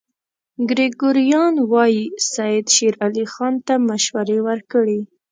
ګریګوریان وايي سید شېر علي خان ته مشورې ورکړې.